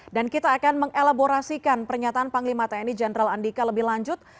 dan kita akan mengelaborasikan pernyataan panglima tni jenderal andika lebih lanjut